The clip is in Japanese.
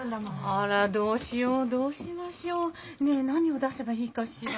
あらどうしよう？どうしましょう？ねえ何を出せばいいかしら？